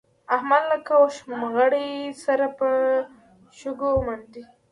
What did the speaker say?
احمد لکه اوښمرغی سر په شګو منډي.